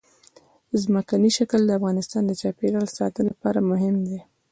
ځمکنی شکل د افغانستان د چاپیریال ساتنې لپاره مهم دي.